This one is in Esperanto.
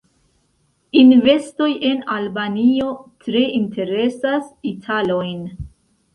Investoj en Albanio tre interesas italojn.